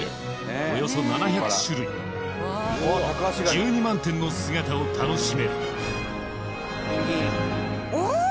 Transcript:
およそ７００種類１２万点の姿を楽しめるえっ！？